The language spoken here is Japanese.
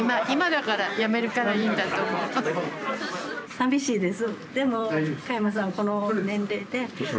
寂しいです。